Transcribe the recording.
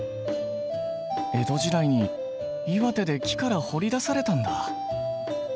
江戸時代に岩手で木から彫り出されたんだ。